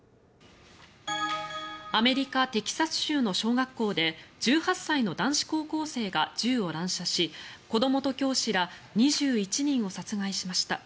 アメリカ・テキサス州の小学校で１８歳の男子高校生が銃を乱射し子どもと教師ら２１人を殺害しました。